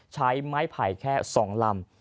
ใช้ไม้ไผ่แค่๒ลำ